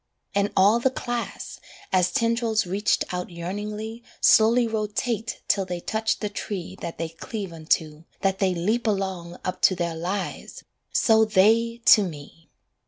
And all the class, As tendrils reached out yearningly Slowly rotate till they touch the tree That they cleave unto, that they leap along Up to their lives so they to me.